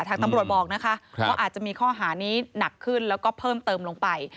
ทางตำรวจบอกนะคะว่าอาจจะมีข้อหานี้หนักขึ้นแล้วก็เพิ่มเติมลงไป